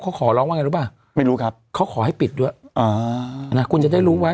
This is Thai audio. เขาขอร้องว่าไงรู้ป่ะเขาขอให้ปิดด้วยคุณจะได้รู้ไว้